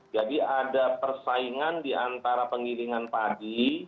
jadi ada persaingan di antara penggilingan padi